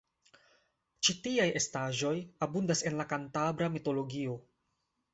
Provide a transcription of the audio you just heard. Ĉi tiaj estaĵoj abundas en la kantabra mitologio.